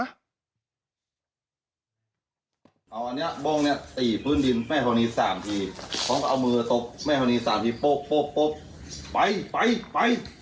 เอาอันนี้โบ้งนี่ตีพื้นดินแม่ฮอนีสามที